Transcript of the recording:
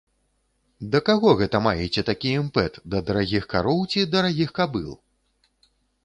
Да каго гэта маеце такі імпэт, да дарагіх кароў ці дарагіх кабыл?